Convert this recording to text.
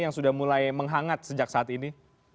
yang sudah mulai menghangat sejak saat ini